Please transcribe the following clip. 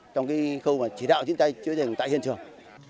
trong khâu chỉ đạo chính trị cháy rừng tại hiện trường